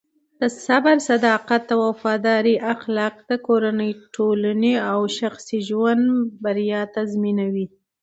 د صبر، صداقت او وفادارۍ اخلاق د کورنۍ، ټولنې او شخصي ژوند بریا تضمینوي.